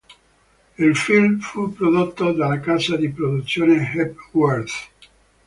Il film fu prodotto dalla casa di produzione Hepworth.